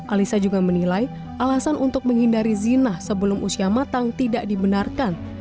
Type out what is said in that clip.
alisa juga menilai alasan untuk menghindari zinah sebelum usia matang tidak dibenarkan